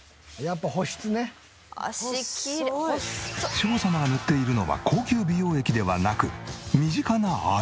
志保様が塗っているのは高級美容液ではなく身近なあれ。